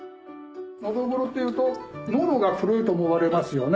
ノドグロというと喉が黒いと思われますよね？